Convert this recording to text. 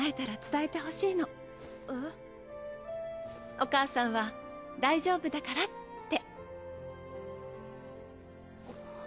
お母さんは大丈夫だからって。